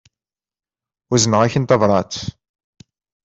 Uzneɣ-ak-in tabrat.